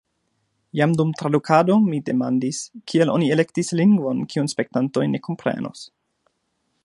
Jam dum tradukado mi demandis, kial oni elektis lingvon, kiun spektantoj ne komprenos.